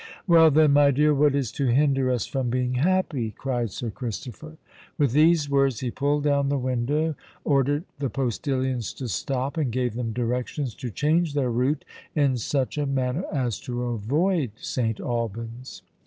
"Well, then, my dear—what is to hinder us from being happy?" cried Sir Christopher. With these words, he pulled down the window, ordered the postillions to stop, and gave them directions to change their route in such a manner as to avoid St. Alban's.